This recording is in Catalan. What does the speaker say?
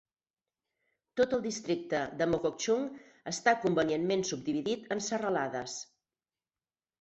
Tot el districte de Mokokchung està convenientment subdividit en serralades.